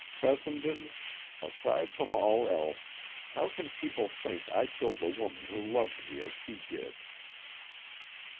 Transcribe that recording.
Fessenden, aside from all else, how can people think I killed the woman who loved me as she did?"